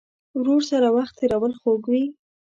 ورور سره وخت تېرول خوږ وي.